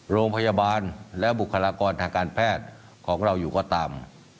โรงพยาบาลและบุคลากรทางการแพทย์ของเราอยู่ก็ตาม